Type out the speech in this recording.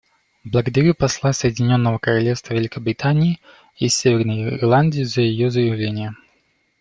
Благодарю посла Соединенного Королевства Великобритании и Северной Ирландии за ее заявление.